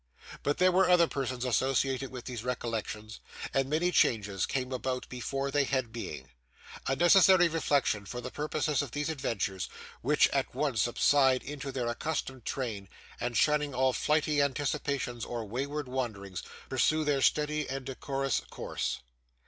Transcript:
But there were other persons associated with these recollections, and many changes came about before they had being. A necessary reflection for the purposes of these adventures, which at once subside into their accustomed train, and shunning all flighty anticipations or wayward wanderings, pursue their steady and decorous course.